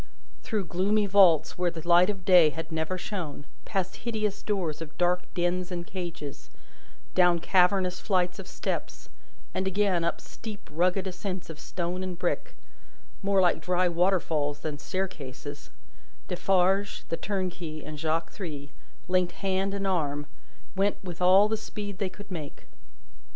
Through gloomy vaults where the light of day had never shone, past hideous doors of dark dens and cages, down cavernous flights of steps, and again up steep rugged ascents of stone and brick, more like dry waterfalls than staircases, Defarge, the turnkey, and Jacques Three, linked hand and arm, went with all the speed they could make.